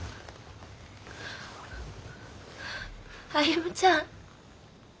歩ちゃん。